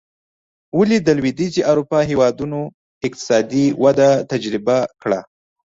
ولې د لوېدیځې اروپا هېوادونو اقتصادي وده تجربه کړه.